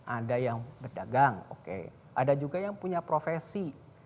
ada yang berdagang ada juga yang punya profesi